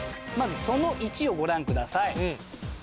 まずその１をご覧ください。